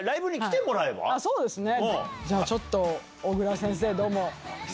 そうですね。